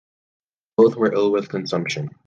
Both were ill with consumption.